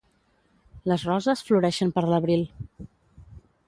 Les roses floreixen per l'abril.